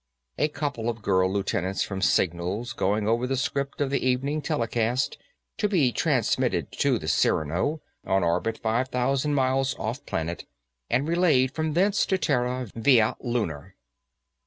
A couple of girl lieutenants from Signals, going over the script of the evening telecast, to be transmitted to the Cyrano, on orbit five thousand miles off planet and relayed from thence to Terra via Lunar.